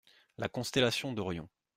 La constellation d’Orion.